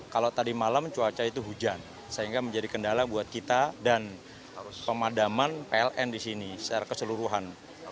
kalau tadi malam cuaca itu hujan sehingga menjadi kendala buat kita dan pemadaman pln di sini secara keseluruhan